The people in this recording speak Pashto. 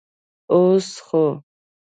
اوس خو.